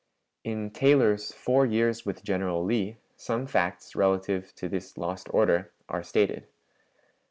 In Taylor's "Four Years with General Lee" some facts relative to this lost order are stated.